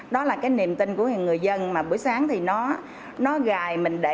đó là cái niềm tin của người dân mà buổi sáng thì nó gài mình để